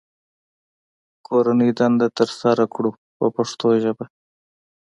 کورنۍ دنده ترسره کړو په پښتو ژبه.